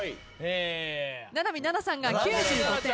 ななみななさんが９５点。